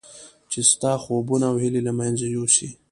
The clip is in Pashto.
چې ستا خوبونه او هیلې له منځه یوسي.